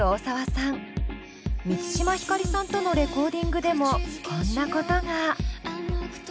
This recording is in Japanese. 満島ひかりさんとのレコーディングでもこんなことが。